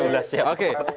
masih jelas siapa partai